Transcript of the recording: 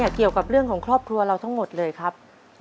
เกี่ยวกับเรื่องของครอบครัวเราทั้งหมดเลยครับ